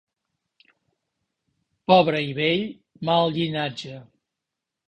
Pobre i vell, mal llinatge.